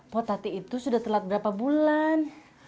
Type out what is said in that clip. poh tati itu sudah telat berapa bulan